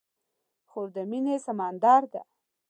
خور د مینې سمندر ده.